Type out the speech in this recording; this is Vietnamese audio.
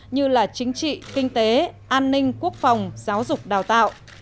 như là chính trị kinh tế an ninh quốc phòng giáo dục đào tạo